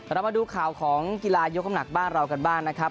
เรามาดูข่าวของกีฬายกน้ำหนักบ้านเรากันบ้างนะครับ